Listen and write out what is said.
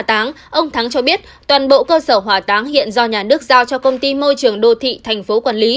toàn bộ cơ sở hòa táng hiện do nhà nước giao cho công ty môi trường đô thị tp hcm